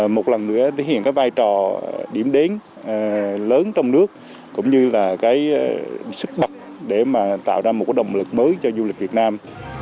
một lần nữa thể hiện vai trò điểm đến lớn trong nước cũng như là sức bậc để tạo ra một động lực mới cho du lịch việt nam